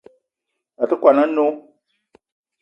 A te kwuan a-nnó